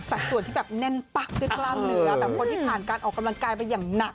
ส่วนที่แบบแน่นปั๊กด้วยกล้ามเนื้อแต่คนที่ผ่านการออกกำลังกายไปอย่างหนัก